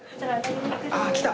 あっ来た！